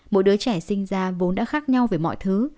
mỗi đứa trẻ sinh ra vốn đã khác nhau về mọi thứ